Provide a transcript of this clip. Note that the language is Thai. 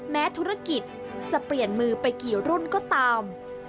แม้ธุรกิจจะเปลี่ยนมือไปกี่รุ่นก็ตาม